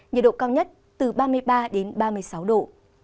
nhiệt độ cao nhất từ ba mươi ba đến ba mươi sáu độ